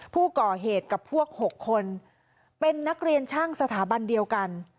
ผู้ก่อเหตุกับพวก๖คนเป็นนักเรียนช่างสถาบันเดียวกัน